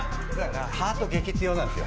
ハート激強なんですよ。